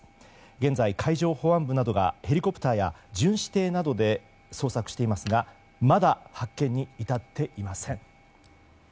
現在、海上保安部などがヘリコプターや巡視艇などで捜索していますがまだ発見に至っていません。